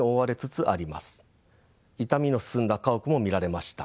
傷みの進んだ家屋も見られました。